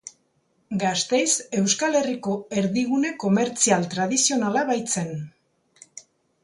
Gasteiz Euskal Herriko erdigune komertzial tradizionala baitzen.